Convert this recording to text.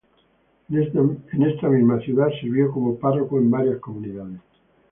En esta misma ciudad sirvió como párroco en varias comunidades.